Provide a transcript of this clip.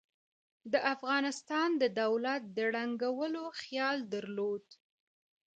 د افغانستان د دولت د ړنګولو خیال درلود.